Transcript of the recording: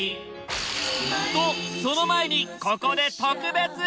とその前にここで特別企画！